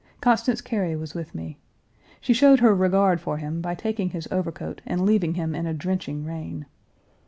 Constance Cary was with me. She showed her regard for him by taking his overcoat and leaving him in a drenching rain.